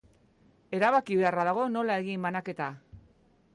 Erabaki beharra dago nola egin banaketa.